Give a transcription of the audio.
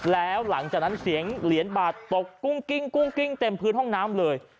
แล้วหลังจากนั้นเสียงเหรียญบาทตกกุ้งกิ้งเต็มพื้นห้องน้ำเลย